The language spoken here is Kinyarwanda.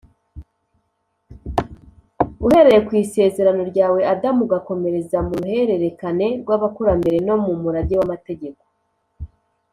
Uhereye ku isezerano ryahawe Adamu, ugakomereza mu ruhererekane rw’abakurambere no mu murage w’amategeko